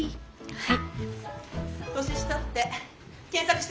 はい。